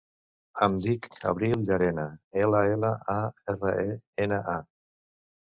Em dic Abril Llarena: ela, ela, a, erra, e, ena, a.